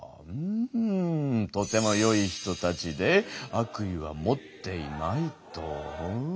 とてもよい人たちで悪意は持っていないと。